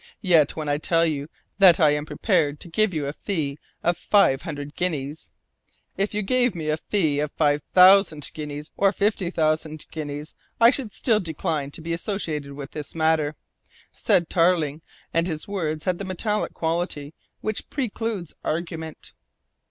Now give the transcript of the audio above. "Yet when I tell you that I am prepared to give you a fee of five hundred guineas " "If you gave me a fee of five thousand guineas, or fifty thousand guineas, I should still decline to be associated with this matter," said Tarling, and his words had the metallic quality which precludes argument.